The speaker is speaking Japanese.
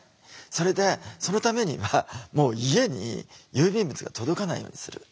それでそのためには家に郵便物が届かないようにする。